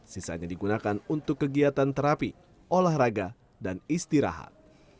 sisanya digunakan untuk kegiatan terapi olahraga dan istirahat